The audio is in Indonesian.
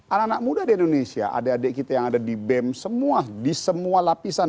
anak anak muda di indonesia adik adik kita yang ada di bem semua di semua lapisan